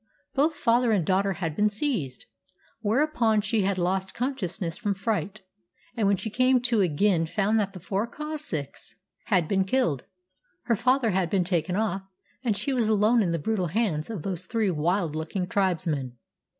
Both father and daughter had been seized, whereupon she had lost consciousness from fright, and when she came to again found that the four Cossacks had been killed, her father had been taken off, and she was alone in the brutal hands of those three wild looking tribesmen.